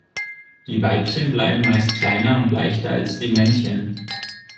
Die Weibchen bleiben meist kleiner und leichter als die Männchen.